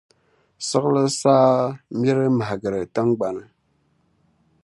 siɣili saa miri mahigiri tiŋgbani.